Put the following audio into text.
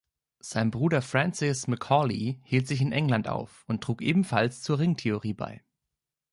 Sein Bruder Francis Macaulay hielt sich in England auf und trug ebenfalls zur Ringtheorie bei.